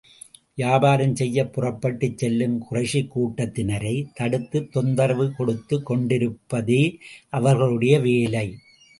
வியாபாரம் செய்யப் புறப்பட்டுச் செல்லும் குறைஷிக் கூட்டத்தினரைத் தடுத்துத் தொந்தரவு கொடுத்துக் கொண்டிருப்பதே அவர்களுடைய வேலை.